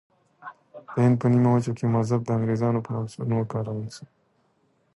د هند په نیمه وچه کې مذهب د انګریزانو په لمسون وکارول شو.